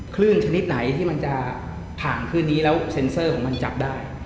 ชนิดไหนที่มันจะผ่านคลื่นนี้แล้วเซ็นเซอร์ของมันจับได้